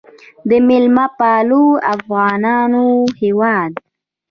د میلمه پالو افغانانو هیواد.